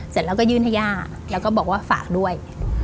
เสร็จแล้วก็ยื่นให้ย่าแล้วก็บอกว่าฝากด้วย